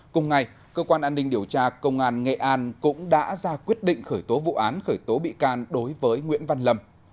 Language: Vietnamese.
cùng ngày cơ quan an ninh điều tra công an nghệ an cũng đã ra quyết định khởi tố vụ án khởi tố bị can đối với nguyễn văn lâm